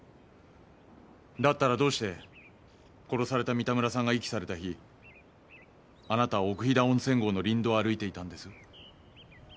だったらどうして殺された三田村さんが遺棄された日あなたは奥飛騨温泉郷の林道を歩いていたんです？